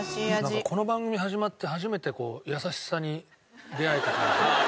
なんかこの番組始まって初めて優しさに出会えた感じ。